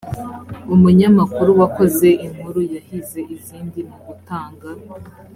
umunyamakuru wakoze inkuru yahize izindi mu gutanga